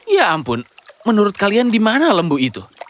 ya ampun menurut kalian di mana lembu itu